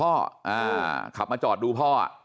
ขับมาจอดดูพ่อ